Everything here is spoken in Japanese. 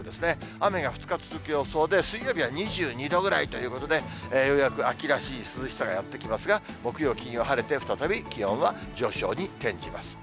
雨が２日続く予想で、水曜日は２２度ぐらいということで、ようやく秋らしい涼しさがやって来ますが、木曜、金曜、晴れて、再び気温は上昇に転じます。